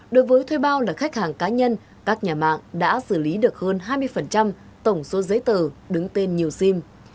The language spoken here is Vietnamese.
đối với thuê bao là khách hàng cá nhân các nhà mạng đã xử lý được hơn hai mươi tổng số giấy tờ đứng tên nhiều sim